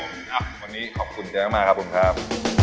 นะครับผมอ่ะวันนี้ขอบคุณเยอะมากครับคุณครับ